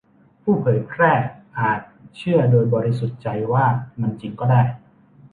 ผู้เผยแพร่อาจเชื่อโดยบริสุทธิ์ใจว่ามันจริงก็ได้